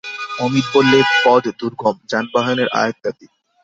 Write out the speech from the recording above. অমিত বললে, পথ দুর্গম, যানবাহনের আয়ত্তাতীত।